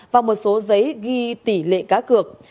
và một số giấy ghi tỷ lệ cá cược